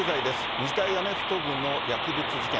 日大アメフト部の薬物事件。